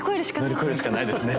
乗り越えるしかないですね。